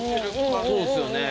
そうですよね。